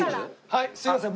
はいすいません。